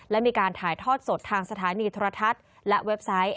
และมีการถ่ายทอดสดทางสถานีโทรทัศน์และเว็บไซต์